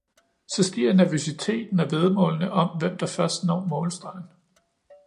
Så stiger nervøsiteten og væddemålene om, hvem der først når målstregen.